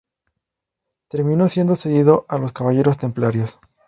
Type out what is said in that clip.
Terminó siendo cedido a los Caballeros Templarios.